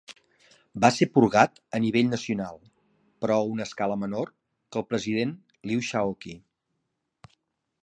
Va se purgat a nivell nacional, però a una escala menor que el president Liu Shaoqi.